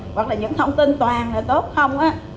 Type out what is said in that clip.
hoặc là những thông tin toàn là tốt không á